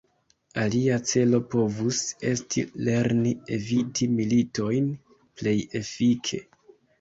Alia celo povus esti lerni eviti militojn plej efike.